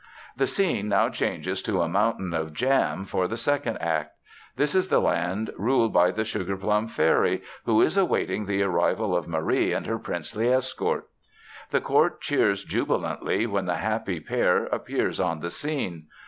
The scene now changes to a mountain of jam for the second act. This is the land ruled by the Sugarplum Fairy, who is awaiting the arrival of Marie and her princely escort. The court cheers jubilantly when the happy pair appears on the scene.